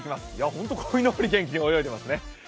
ホントこいのぼり元気に泳いでいますね。